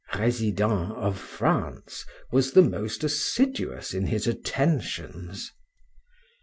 de la Closure, Resident of France, was the most assiduous in his attentions.